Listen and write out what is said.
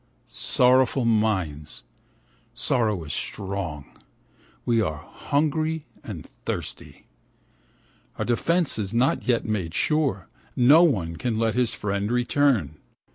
Sorrowful minds, sorrow is strong, we are hungry and thirsty. Our defence is not yet made sure, no one can let his friend return.